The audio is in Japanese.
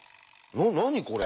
何これ？